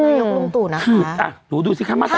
จากนายกลุงตู่นะคะ